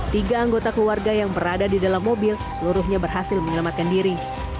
tiga anggota keluarga yang berada di dalam mobil seluruhnya berhasil menyelamatkan diri